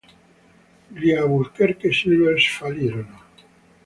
Gli Albuquerque Silvers fallirono.